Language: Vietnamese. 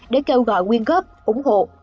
để kêu gọi quyên góp ủng hộ